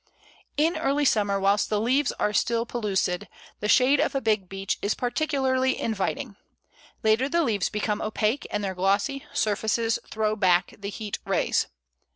In early summer, whilst the leaves are still pellucid, the shade of a big Beech is particularly inviting. Later the leaves become opaque, and their glossy surfaces throw back the heat rays.